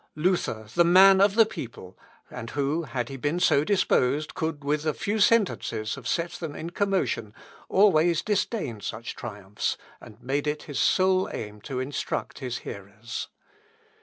Luther, the man of the people, and who, had he been so disposed, could with a few sentences have set them in commotion, always disdained such triumphs, and made it his sole aim to instruct his hearers.